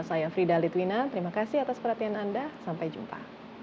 saya frida litwina terima kasih atas perhatian anda sampai jumpa